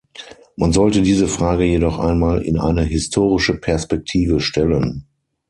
Man sollte diese Frage jedoch einmal in eine historische Perspektive stellen.